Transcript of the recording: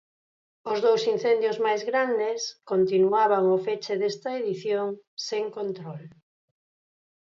Os dous incendios máis grandes continuaban ao feche desta edición sen control.